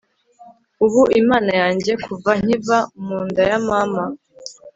uba imana yanjye kuva nkiva mu nda ya mama